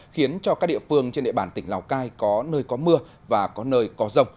khiến cho các địa phương trên địa bàn tỉnh lào cai có nơi có mưa và có nơi có rông